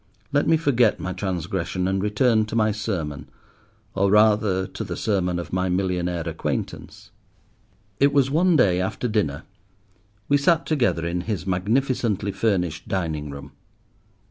Let me forget my transgression and return to my sermon, or rather to the sermon of my millionaire acquaintance. It was one day after dinner, we sat together in his magnificently furnished dining room.